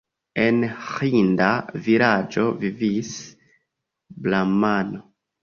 En ĥinda vilaĝo vivis bramano.